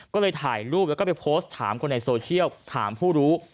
ก็เลยถ่ายรูปแล้วก็ไปโพสต์ถามคนในโซเชียลถามผู้รู้